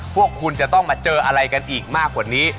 พวกคุณจะต้องมาเจออะไรกันอีกมากกว่านี้